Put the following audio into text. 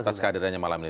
atas kehadirannya malam ini